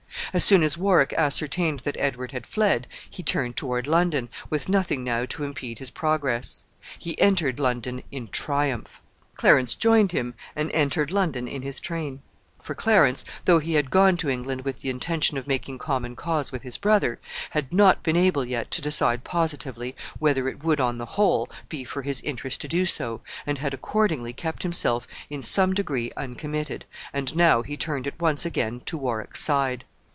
As soon as Warwick ascertained that Edward had fled, he turned toward London, with nothing now to impede his progress. He entered London in triumph. Clarence joined him, and entered London in his train; for Clarence, though he had gone to England with the intention of making common cause with his brother, had not been able yet to decide positively whether it would, on the whole, be for his interest to do so, and had, accordingly, kept himself in some degree uncommitted, and now he turned at once again to Warwick's side.